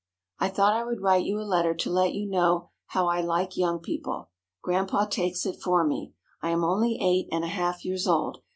I thought I would write you a letter to let you know how I like Young People. Grandpa takes it for me. I am only eight and a half years old.